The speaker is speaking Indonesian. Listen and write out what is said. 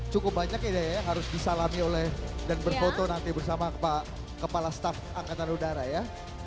cukup banyak ya harus disalami oleh dan berfoto nanti bersama kepala staff akadarudara